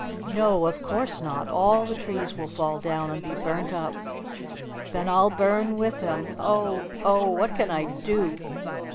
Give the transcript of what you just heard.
"No, of course not! All the trees will fall down and be burnt up." "Then I'll burn with them. Oh! Oh! What can I do?"